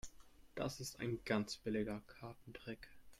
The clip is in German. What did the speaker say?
Das ist ein ganz billiger Kartentrick.